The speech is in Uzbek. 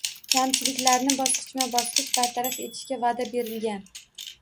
Kamchiliklarni bosqichma -bosqich bartaraf etishga va'da berilgan